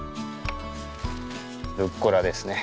ルッコラですね。